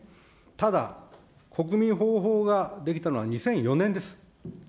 ただ、国民保護法が出来たのは２００４年です。